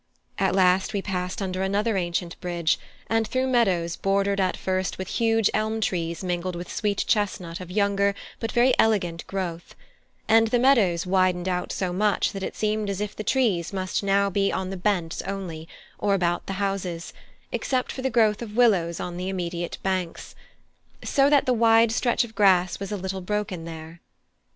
At last we passed under another ancient bridge; and through meadows bordered at first with huge elm trees mingled with sweet chestnut of younger but very elegant growth; and the meadows widened out so much that it seemed as if the trees must now be on the bents only, or about the houses, except for the growth of willows on the immediate banks; so that the wide stretch of grass was little broken here.